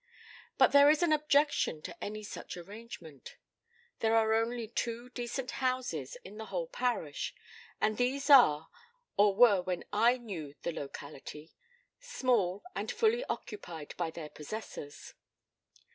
But there is an objection to any such arrangement. There are only two decent houses in the whole parish, and these are or were when I knew the locality small and fully occupied by their possessors.